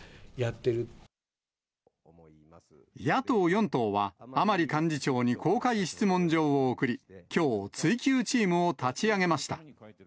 野党４党は、甘利幹事長に公開質問状を送り、きょう追及チームを立ち上げました。